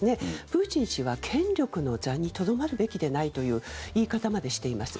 プーチン氏は権力の座にとどまるべきでないという言い方までしています。